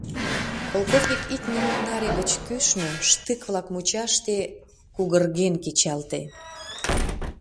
Полковник ик минут наре гыч кӱшнӧ, штык-влак мучаште, кугырген кечалте.